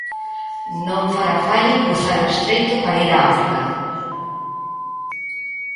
Non fará falla cruzar o Estreito para ir a África.